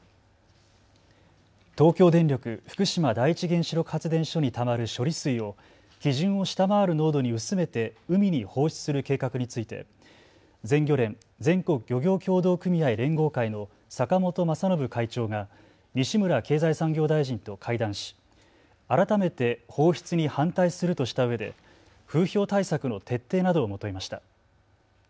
東京電力福島第一原子力発電所にたまる処理水を基準を下回る濃度に薄めて海に放出する計画について全漁連・全国漁業協同組合連合会の坂本雅信会長が西村経済産業大臣と会談し改めて放出に反対するとしたうえで風評対策の徹底などを求めました。